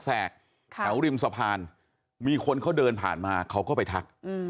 แถวริมสะพานมีคนเขาเดินผ่านมาเขาก็ไปทัก